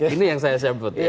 ini yang saya sebut